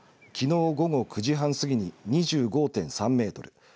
八尾ではきのう午後９時半過ぎに２５．３メートル